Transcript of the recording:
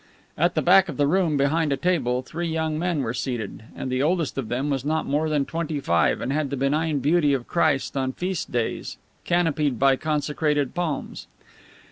At the back of the room, behind a table, three young men were seated, and the oldest of them was not more than twenty five and had the benign beauty of Jesus on feast days, canopied by consecrated palms.